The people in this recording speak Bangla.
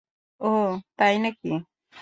ওহ, তাই নাকি।